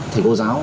thầy cô giáo